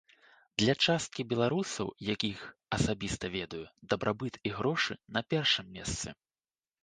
Для часткі беларусаў, якіх асабіста ведаю, дабрабыт і грошы на першым месцы.